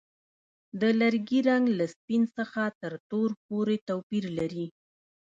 د لرګي رنګ له سپین څخه تر تور پورې توپیر لري.